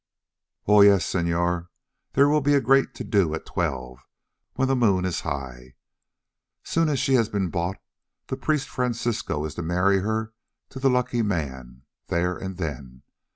"Oh, yes, senor, there will be a great to do at twelve, when the moon is high. So soon as she has been bought, the priest Francisco is to marry her to the lucky man, there and then.